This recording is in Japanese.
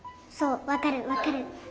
そうわかるわかる。